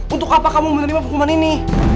untuk apa kamu menerima hukuman ini